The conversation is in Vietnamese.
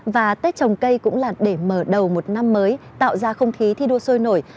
và tết trồng cây cũng là để mở đầu một năm mới tạo ra không khí thi đua sôi nổi